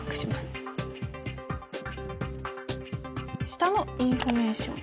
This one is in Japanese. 下の「インフォメーション」。